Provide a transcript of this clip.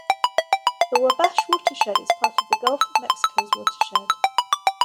The Wabash watershed is part of the Gulf of Mexico's watershed.